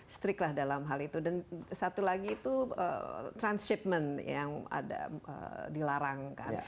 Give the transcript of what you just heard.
setriklah dalam hal itu dan satu lagi itu transshipment yang dilarangkan